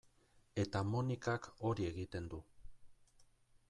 Eta Monikak hori egiten du.